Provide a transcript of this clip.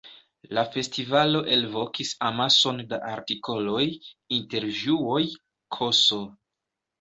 La festivalo elvokis amason da artikoloj, intervjuoj ks.